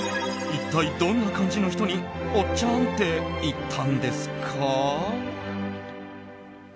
一体どんな感じの人におっちゃんって言ったんですか？